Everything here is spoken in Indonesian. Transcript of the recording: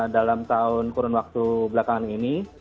dalam kurun waktu belakangan ini